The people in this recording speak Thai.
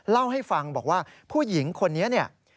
เล่าให้ฟังบอกว่าผู้หญิงคนนี้เนี่ย